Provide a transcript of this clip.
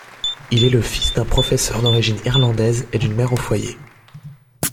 Il est le fils d'un professeur d'origine irlandaise et d'une mère au foyer.